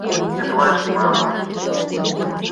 — Не плачь, мама.